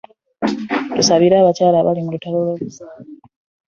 Tusabire abakyala abali mu lutalo lw'okuzaala.